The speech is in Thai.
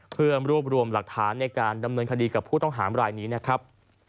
เพื่อรวบรวมหลักฐานในการดำเนินคดีกับผู้ต้องหามรายนี้นะครับ